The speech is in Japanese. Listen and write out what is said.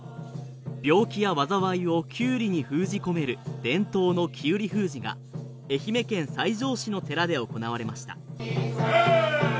病気や災いをきゅうりに封じ込める伝統のきうり封じが愛媛県西条市の寺で行われました。